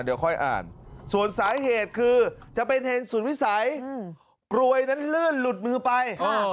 เดี๋ยวค่อยอ่านส่วนสาเหตุคือจะเป็นเหตุสุดวิสัยกรวยนั้นลื่นหลุดมือไป